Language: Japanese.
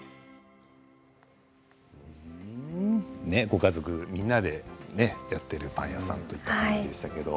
ご家族みんなでやっているパン屋さんということでしたけど。